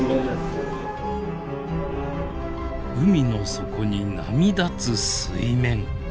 海の底に波立つ水面。